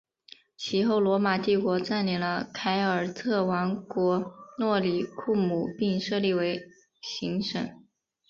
其后罗马帝国占领了凯尔特王国诺里库姆并设立为行省。